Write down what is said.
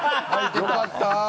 よかった。